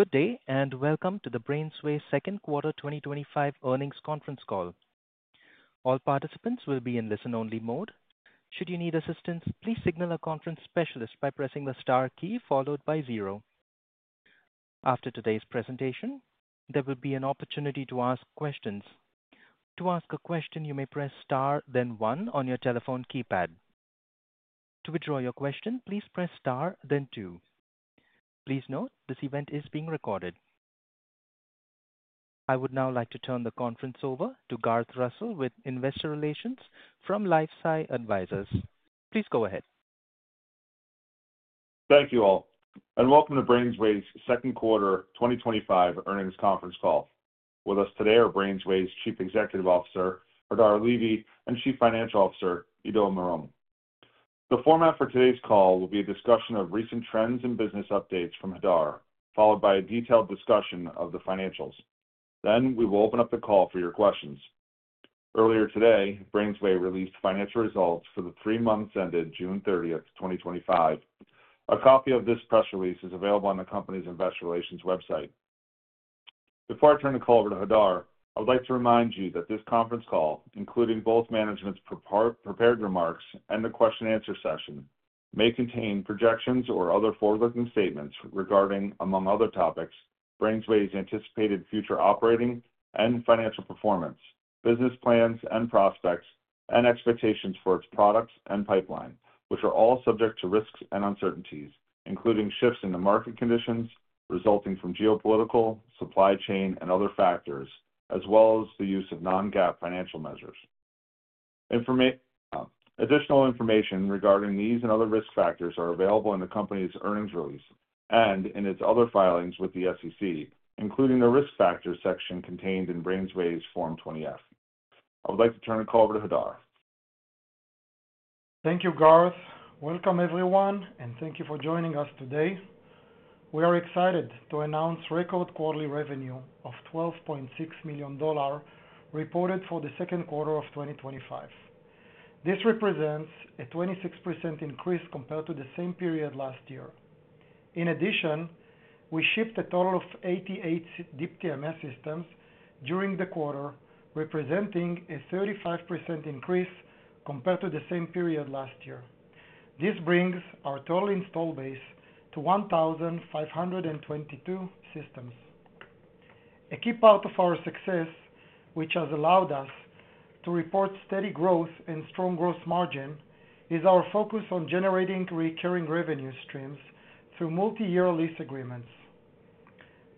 Good day and welcome to the BrainsWay second quarter 2025 earnings conference call. All participants will be in listen-only mode. Should you need assistance, please signal a conference specialist by pressing the star key followed by zero. After today's presentation, there will be an opportunity to ask questions. To ask a question, you may press star, then one on your telephone keypad. To withdraw your question, please press star, then two. Please note, this event is being recorded. I would now like to turn the conference over to Garth Russell with investor relations from LifeSci Advisors. Please go ahead. Thank you all, and welcome to BrainsWay's second quarter 2025 earnings conference call. With us today are BrainsWay's Chief Executive Officer, Hadar Levy, and Chief Financial Officer, Ido Marom. The format for today's call will be a discussion of recent trends and business updates from Hadar, followed by a detailed discussion of the financials. We will open up the call for your questions. Earlier today, BrainsWay released financial results for the three months ended June 30th, 2025. A copy of this press release is available on the company's investor relations website. Before I turn the call over to Hadar, I would like to remind you that this conference call, including both management's prepared remarks and the question-and-answer session, may contain projections or other forward-looking statements regarding, among other topics, BrainsWay's anticipated future operating and financial performance, business plans and prospects, and expectations for its products and pipeline, which are all subject to risks and uncertainties, including shifts in the market conditions resulting from geopolitical, supply chain, and other factors, as well as the use of non-GAAP financial measures. Additional information regarding these and other risk factors is available in the company's earnings release and in its other filings with the SEC, including the risk factors section contained in BrainsWay's Form 20-F. I would like to turn the call over to Hadar. Thank you, Garth. Welcome everyone, and thank you for joining us today. We are excited to announce record quarterly revenue of $12.6 million reported for the second quarter of 2025. This represents a 26% increase compared to the same period last year. In addition, we shipped a total of 88 Deep TMS systems during the quarter, representing a 35% increase compared to the same period last year. This brings our total install base to 1,522 systems. A key part of our success, which has allowed us to report steady growth and strong gross margin, is our focus on generating recurring revenue streams through multi-year lease agreements.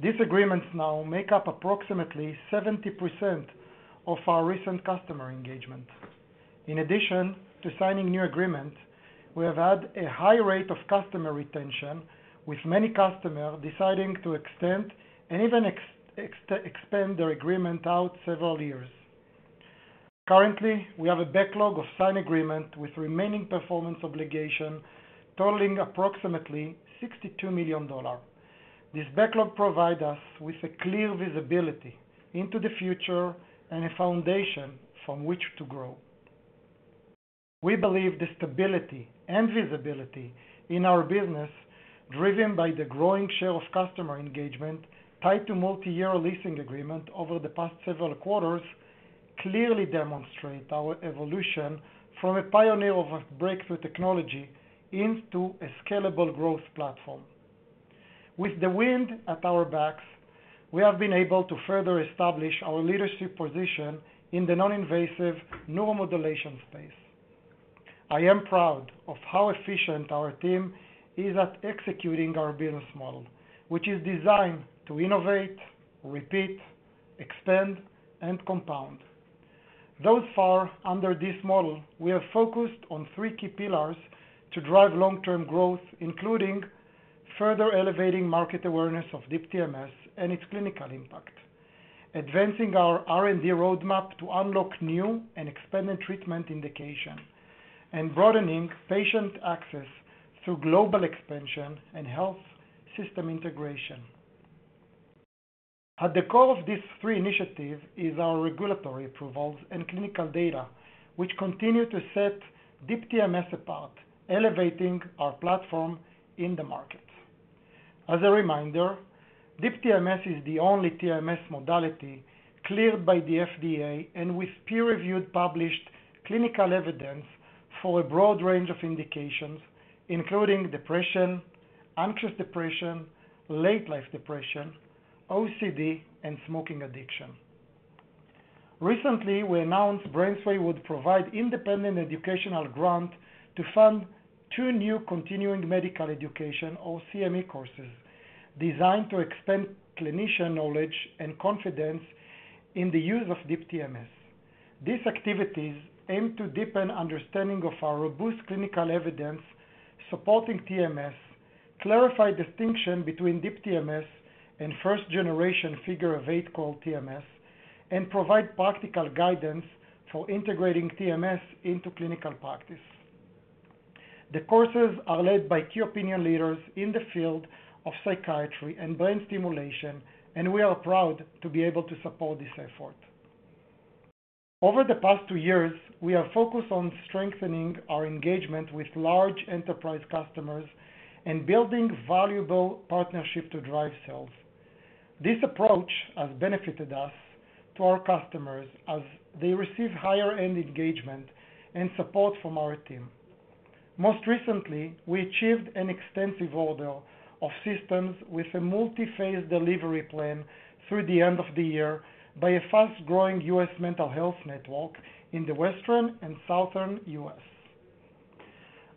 These agreements now make up approximately 70% of our recent customer engagement. In addition to signing new agreements, we have had a high rate of customer retention, with many customers deciding to extend and even extend their agreement out several years. Currently, we have a backlog of signed agreements with remaining performance obligations totaling approximately $62 million. This backlog provides us with a clear visibility into the future and a foundation from which to grow. We believe the stability and visibility in our business, driven by the growing share of customer engagement tied to multi-year leasing agreements over the past several quarters, clearly demonstrate our evolution from a pioneer of breakthrough technology into a scalable growth platform. With the wind at our backs, we have been able to further establish our leadership position in the non-invasive neuromodulation space. I am proud of how efficient our team is at executing our business model, which is designed to innovate, repeat, extend, and compound. Thus far, under this model, we have focused on three key pillars to drive long-term growth, including further elevating market awareness of Deep TMS and its clinical impact, advancing our R&D roadmap to unlock new and expanded treatment indications, and broadening patient access through global expansion and health system integration. At the core of these three initiatives are our regulatory approvals and clinical data, which continue to set Deep TMS apart, elevating our platform in the market. As a reminder, Deep TMS is the only TMS modality cleared by the FDA and with peer-reviewed published clinical evidence for a broad range of indications, including depression, anxious depression, late-life depression, OCD, and smoking addiction. Recently, we announced BrainsWay would provide an independent educational grant to fund two new continuing medical education, or CME, courses designed to extend clinician knowledge and confidence in the use of Deep TMS. These activities aim to deepen understanding of our robust clinical evidence supporting TMS, clarify distinction between Deep TMS and first-generation figure-of-eight coil TMS, and provide practical guidance for integrating TMS into clinical practice. The courses are led by key opinion leaders in the field of psychiatry and brain stimulation, and we are proud to be able to support this effort. Over the past two years, we have focused on strengthening our engagement with large enterprise customers and building valuable partnerships to drive sales. This approach has benefited us to our customers as they receive higher-end engagement and support from our team. Most recently, we achieved an extensive order of systems with a multi-phase delivery plan through the end of the year by a fast-growing U.S. mental health network in the Western and Southern U.S.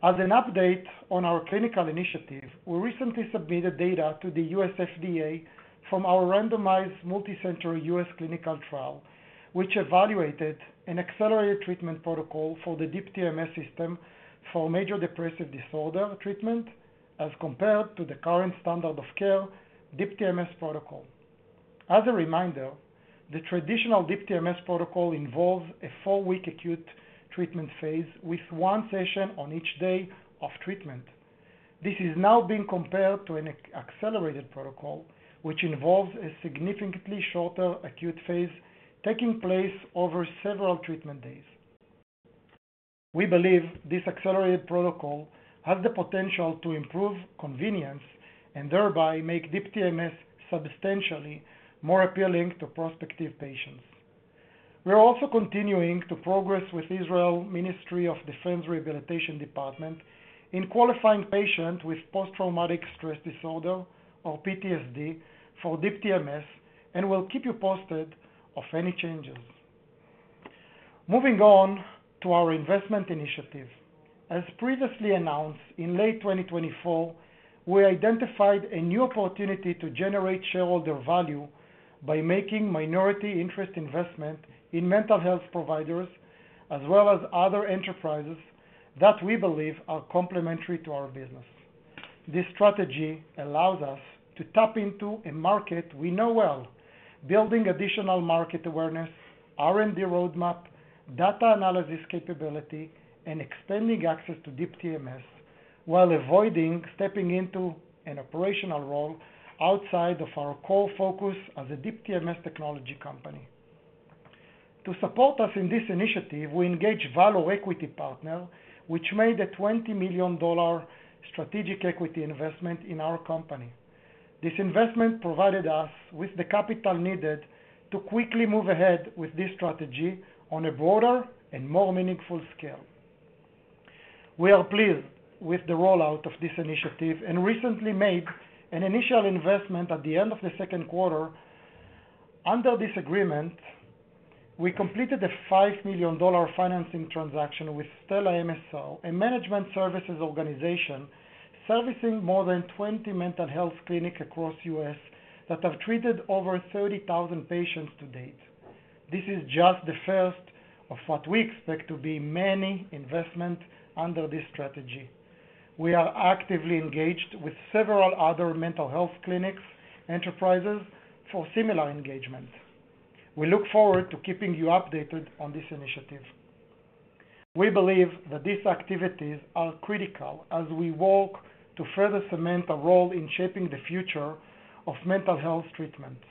As an update on our clinical initiative, we recently submitted data to the U.S. FDA from our randomized multicenter U.S. clinical trial, which evaluated an accelerated treatment protocol for the Deep TMS system for major depressive disorder treatment as compared to the current standard of care Deep TMS protocol. As a reminder, the traditional Deep TMS protocol involves a four-week acute treatment phase with one session on each day of treatment. This is now being compared to an accelerated protocol, which involves a significantly shorter acute phase taking place over several treatment days. We believe this accelerated protocol has the potential to improve convenience and thereby make Deep TMS substantially more appealing to prospective patients. We're also continuing to progress with the Israel Ministry of Defense Rehabilitation Department in qualifying patients with post-traumatic stress disorder or PTSD for Deep TMS and will keep you posted of any changes. Moving on to our Investment initiative, as previously announced, in late 2024, we identified a new opportunity to generate shareholder value by making minority interest investment in mental health providers, as well as other enterprises that we believe are complementary to our business. This strategy allows us to tap into a market we know well, building additional market awareness, R&D roadmap, data analysis capability, and expanding access to Deep TMS while avoiding stepping into an operational role outside of our core focus as a Deep TMS technology company. To support us in this initiative, we engaged a value equity partner, which made a $20 million strategic equity investment in our company. This investment provided us with the capital needed to quickly move ahead with this strategy on a broader and more meaningful scale. We are pleased with the rollout of this initiative and recently made an initial investment at the end of the second quarter. Under this agreement, we completed a $5 million financing transaction with Stellar MSL, a management services organization servicing more than 20 mental health clinics across the U.S. that have treated over 30,000 patients to date. This is just the first of what we expect to be many investments under this strategy. We are actively engaged with several other mental health clinics and enterprises for similar engagement. We look forward to keeping you updated on this initiative. We believe that these activities are critical as we work to further cement our role in shaping the future of mental health treatments.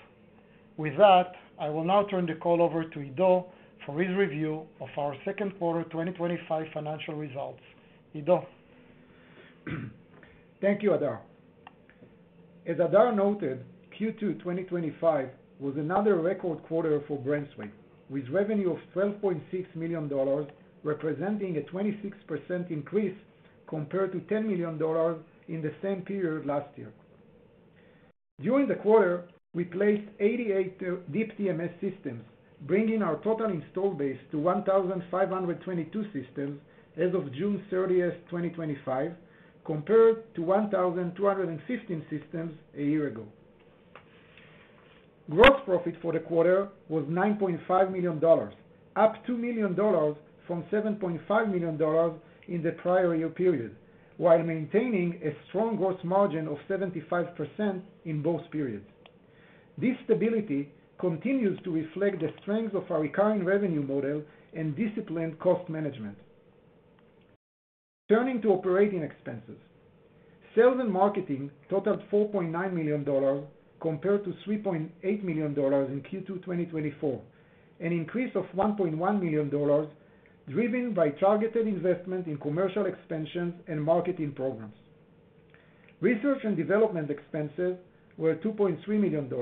With that, I will now turn the call over to Ido for his review of our second quarter 2025 financial results. Ido. Thank you, Hadar. As Hadar noted, Q2 2025 was another record quarter for BrainsWay, with revenue of $12.6 million, representing a 26% increase compared to $10 million in the same period last year. During the quarter, we placed 88 Deep TMS systems, bringing our total install base to 1,522 systems as of June 30th, 2025, compared to 1,215 systems a year ago. Gross profit for the quarter was $9.5 million, up $2 million from $7.5 million in the prior year period, while maintaining a strong gross margin of 75% in both periods. This stability continues to reflect the strength of our recurring revenue model and disciplined cost management. Turning to operating expenses, sales and marketing totaled $4.9 million compared to $3.8 million in Q2 2024, an increase of $1.1 million, driven by targeted investment in commercial expansions and marketing programs. Research and development expenses were $2.3 million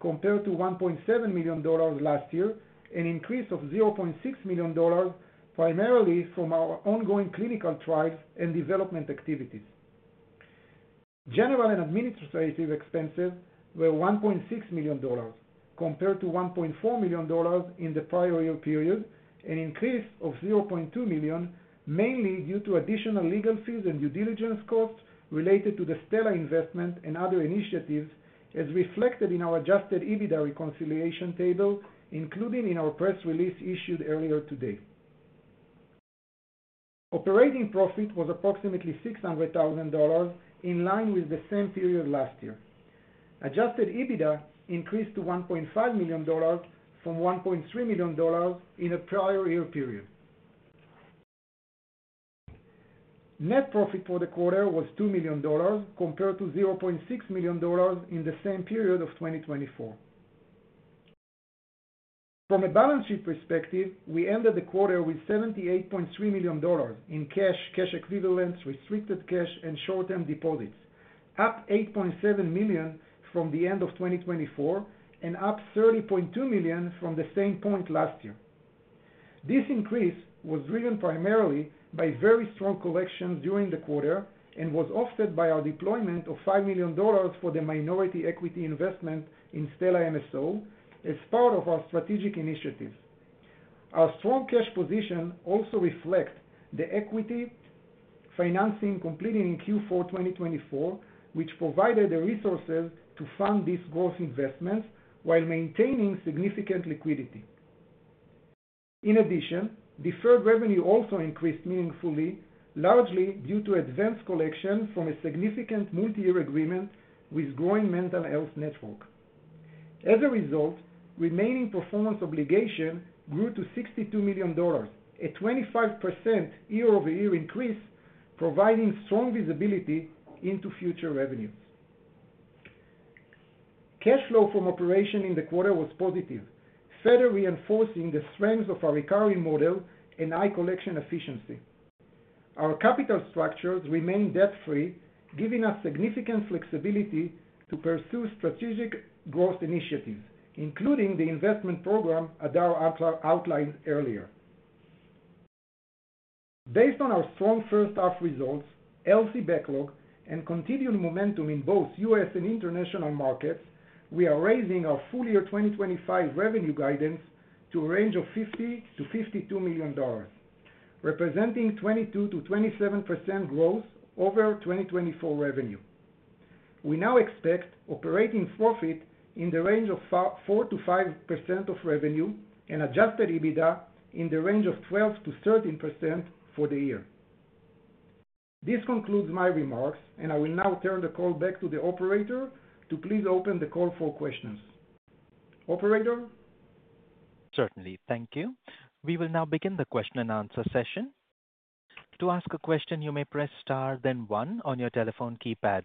compared to $1.7 million last year, an increase of $0.6 million, primarily from our ongoing clinical trials and development activities. General and administrative expenses were $1.6 million compared to $1.4 million in the prior year period, an increase of $0.2 million, mainly due to additional legal fees and due diligence costs related to the Stellar investment and other initiatives, as reflected in our adjusted EBITDA reconciliation table, including in our press release issued earlier today. Operating profit was approximately $600,000, in line with the same period last year. Adjusted EBITDA increased to $1.5 million from $1.3 million in a prior year period. Net profit for the quarter was $2 million compared to $0.6 million in the same period of 2024. From a balance sheet perspective, we ended the quarter with $78.3 million in cash, cash equivalents, restricted cash, and short-term deposits, up $8.7 million from the end of 2024 and up $30.2 million from the same point last year. This increase was driven primarily by very strong collections during the quarter and was offset by our deployment of $5 million for the minority equity investment in Stellar MSL as part of our strategic initiatives. Our strong cash position also reflects the equity financing completed in Q4 2024, which provided the resources to fund these growth investments while maintaining significant liquidity. In addition, deferred revenue also increased meaningfully, largely due to advanced collections from a significant multi-year agreement with a growing mental health network. As a result, remaining performance obligations grew to $62 million, a 25% year-over-year increase, providing strong visibility into future revenues. Cash flow from operations in the quarter was positive, further reinforcing the strengths of our recurring model and high collection efficiency. Our capital structures remain debt-free, giving us significant flexibility to pursue strategic growth initiatives, including the investment program Hadar outlined earlier. Based on our strong first half results, LC backlog, and continued momentum in both U.S. and international markets, we are raising our full-year 2025 revenue guidance to a range of $50 million-$52 million, representing 22%-27% growth over 2024 revenue. We now expect operating profit in the range of 4%-5% of revenue and adjusted EBITDA in the range of 12%-13% for the year. This concludes my remarks, and I will now turn the call back to the operator to please open the call for questions. Operator? Certainly, thank you. We will now begin the question-and-answer session. To ask a question, you may press star, then one on your telephone keypad.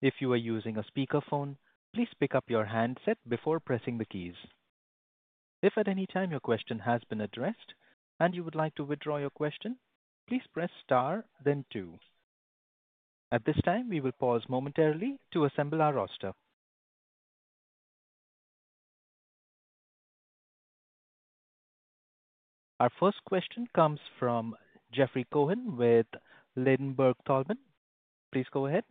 If you are using a speakerphone, please pick up your handset before pressing the keys. If at any time your question has been addressed and you would like to withdraw your question, please press star, then two. At this time, we will pause momentarily to assemble our roster. Our first question comes from Jeffrey Cohen with Ladenburg Thalmann. Please go ahead.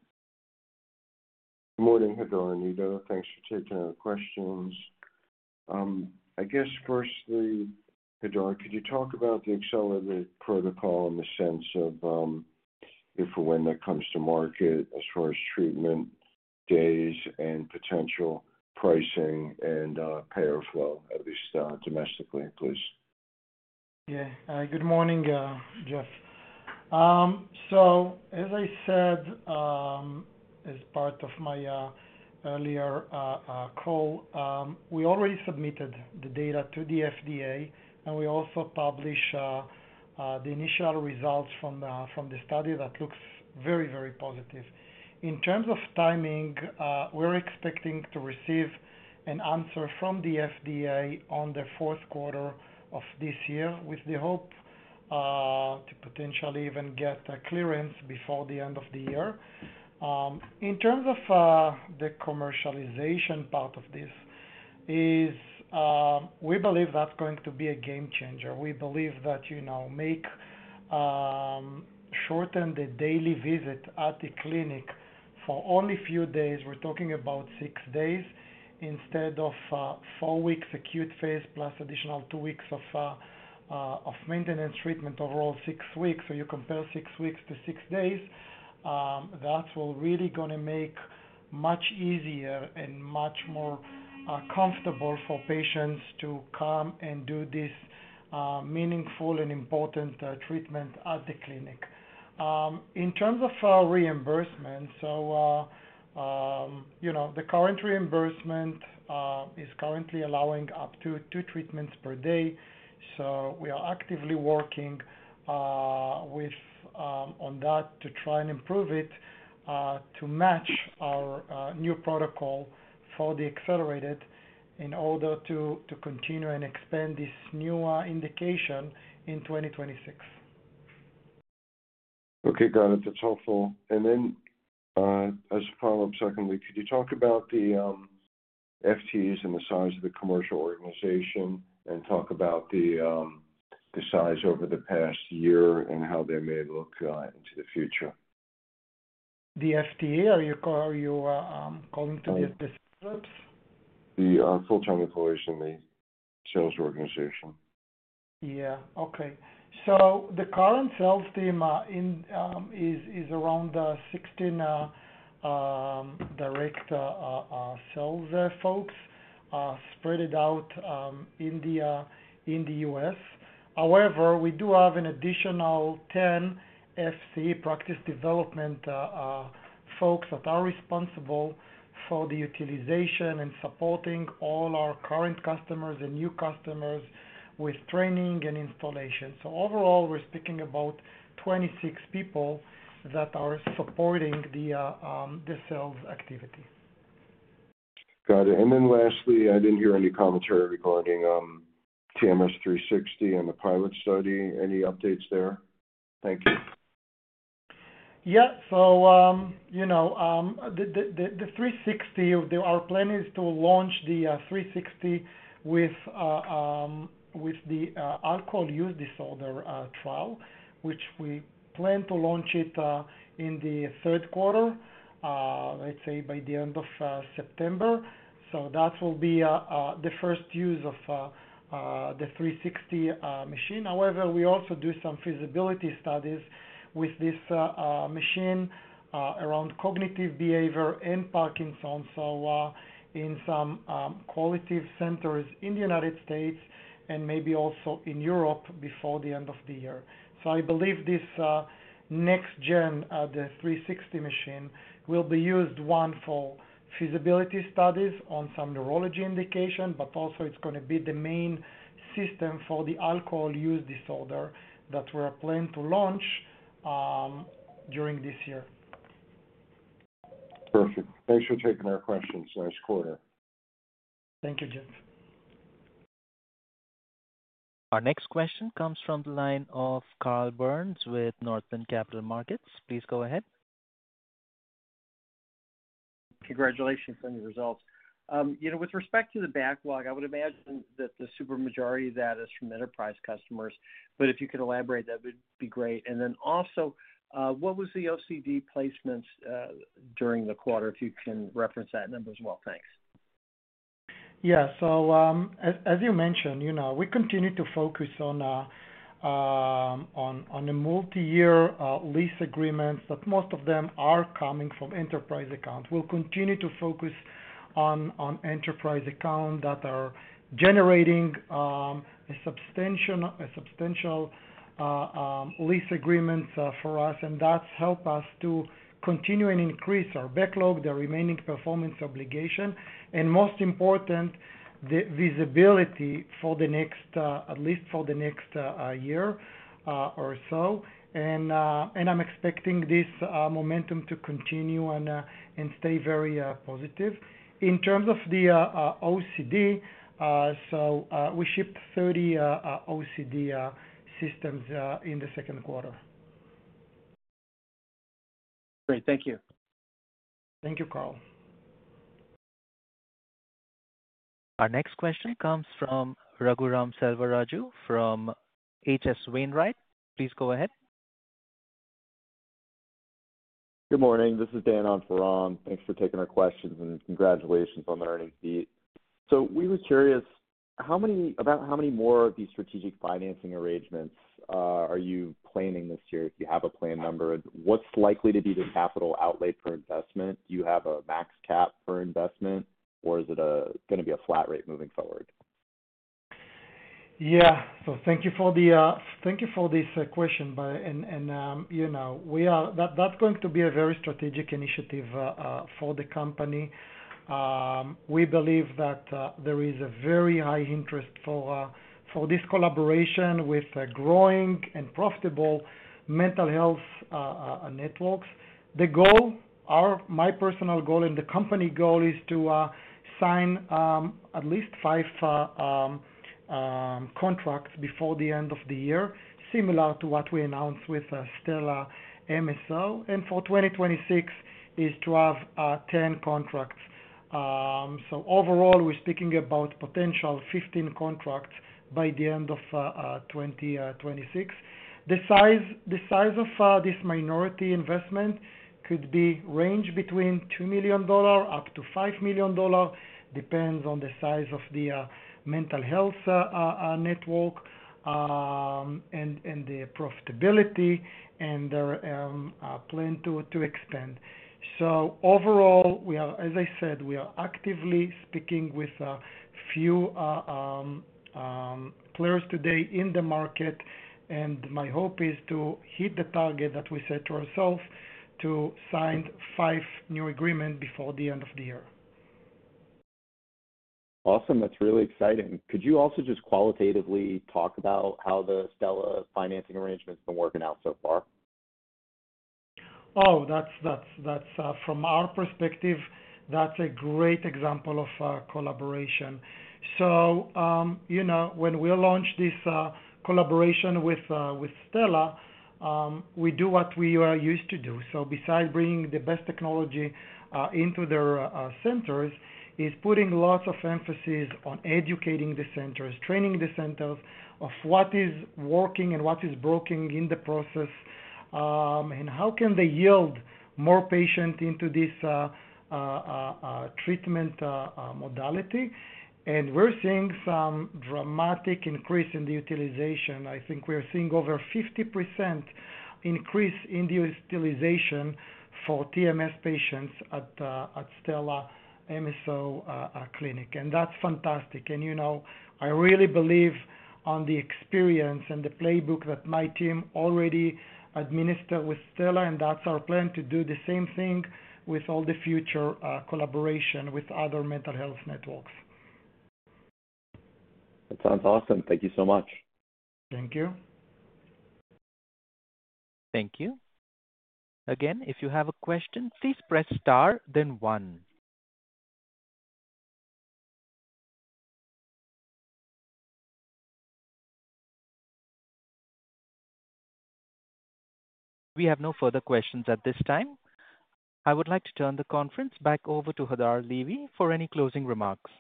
Good morning, Hadar and Ido. Thanks for taking our questions. I guess firstly, Hadar, could you talk about the accelerated protocol in the sense of if or when that comes to market as far as treatment days and potential pricing and payer flow, at least domestically, please? Yeah, good morning, Jeff. As I said as part of my earlier call, we already submitted the data to the FDA, and we also published the initial results from the study that looks very, very positive. In terms of timing, we're expecting to receive an answer from the FDA on the fourth quarter of this year with the hope to potentially even get a clearance before the end of the year. In terms of the commercialization part of this, we believe that's going to be a game changer. We believe that you now may shorten the daily visit at the clinic for only a few days. We're talking about six days instead of four weeks acute phase plus additional two weeks of maintenance treatment, overall six weeks. You compare six weeks to six days. That's really going to make it much easier and much more comfortable for patients to come and do this meaningful and important treatment at the clinic. In terms of reimbursement, the current reimbursement is currently allowing up to two treatments per day. We are actively working on that to try and improve it to match our new protocol for the accelerated in order to continue and expand this new indication in 2026. Okay, got it. That's helpful. Could you talk about the FDA's and the size of the commercial organization and talk about the size over the past year and how they may look into the future? The FDA, are you calling to the specifics? The full-time employees in the sales organization. Okay. The current sales team is around 16 direct sales folks spread out in the U.S. However, we do have an additional 10 FC practice development folks that are responsible for the utilization and supporting all our current customers and new customers with training and installation. Overall, we're speaking about 26 people that are supporting the sales activity. Got it. Lastly, I didn't hear any commentary regarding TMS 360 and the pilot study. Any updates there? Thank you. Yeah, the 360, our plan is to launch the 360 with the alcohol use disorder trial, which we plan to launch in the third quarter, let's say by the end of September. That will be the first use of the 360 machine. However, we also do some feasibility studies with this machine around cognitive behavior and Parkinson's in some qualitative centers in the United States and maybe also in Europe before the end of the year. I believe this next-gen 360 machine will be used, one, for feasibility studies on some neurology indications, but also it's going to be the main system for the alcohol use disorder that we're planning to launch during this year. Perfect. Thanks for taking our questions. Nice quarter. Thank you, Jeff. Our next question comes from the line of Carl Byrnes with Northland Capital Markets. Please go ahead. Congratulations on your results. You know, with respect to the backlog, I would imagine that the supermajority of that is from enterprise customers. If you could elaborate, that would be great. Also, what was the OCD placements during the quarter? If you can reference that number as well, thanks. Yeah, as you mentioned, we continue to focus on the multi-year lease agreements that most of them are coming from enterprise accounts. We'll continue to focus on enterprise accounts that are generating a substantial lease agreement for us, and that helps us to continue and increase our backlog, the remaining performance obligation, and most important, the visibility for the next, at least for the next year or so. I'm expecting this momentum to continue and stay very positive. In terms of the OCD, we ship 30 OCD systems in the second quarter. Great, thank you. Thank you, Carl. Our next question comes from Raghuram Selvaraju from H.C. Wainwright. Please go ahead. Good morning. This is Dan on for Ram. Thanks for taking our questions and congratulations on the earnings beat. We were curious, about how many more of these strategic financing arrangements are you planning this year? If you have a planned number, what's likely to be the capital outlay for investment? Do you have a max cap for investment, or is it going to be a flat rate moving forward? Thank you for this question. That is going to be a very strategic initiative for the company. We believe that there is a very high interest for this collaboration with growing and profitable mental health networks. The goal, my personal goal and the company goal, is to sign at least five contracts before the end of the year, similar to what we announced with Stellar MSL. For 2026, the goal is to have 10 contracts. Overall, we're speaking about a potential 15 contracts by the end of 2026. The size of this minority investment could range between $2 million up to $5 million, depending on the size of the mental health network and the profitability and their plan to expand. Overall, as I said, we are actively speaking with a few players today in the market, and my hope is to hit the target that we set to ourselves to sign five new agreements before the end of the year. Awesome. That's really exciting. Could you also just qualitatively talk about how the Stellar financing arrangement's been working out so far? Oh, that's from our perspective, that's a great example of collaboration. When we launched this collaboration with Stellar, we do what we are used to do. Besides bringing the best technology into their centers, it's putting lots of emphasis on educating the centers, training the centers of what is working and what is broken in the process, and how they can yield more patients into this treatment modality. We're seeing some dramatic increase in the utilization. I think we are seeing over a 50% increase in the utilization for TMS patients at Stellar MSL clinic. That's fantastic. I really believe in the experience and the playbook that my team already administered with Stellar, and that's our plan to do the same thing with all the future collaboration with other mental health networks. That sounds awesome. Thank you so much. Thank you. Thank you. Again, if you have a question, please press star, then one. We have no further questions at this time. I would like to turn the conference back over to Hadar Levy for any closing remarks.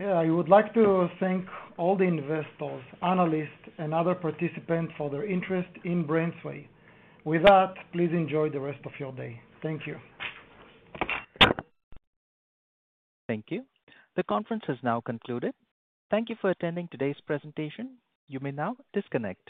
I would like to thank all the investors, analysts, and other participants for their interest in BrainsWay. With that, please enjoy the rest of your day. Thank you. Thank you. The conference has now concluded. Thank you for attending today's presentation. You may now disconnect.